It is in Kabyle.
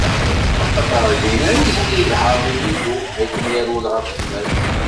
Axaṭer dinna i s-d-iḍher Yillu, mi akken yerwel ɣef gma-s.